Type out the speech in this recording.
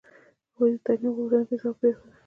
هغوی د تعلیم غوښتنه بې ځوابه پرېښوده.